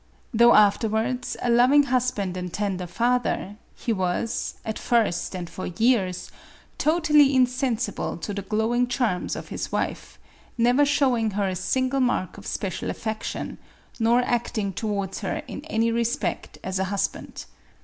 Though afterwards a loving husband and tender father, he was, at first and for years, totally insensible to the glowing charms of his wife, never showing her a single mark of special affection, nor acting towards her in any respect as a husband.